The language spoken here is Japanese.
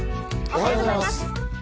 おはようございます。